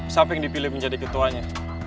siapa yang dipilih menjadi ketuanya